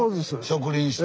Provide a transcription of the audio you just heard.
植林して。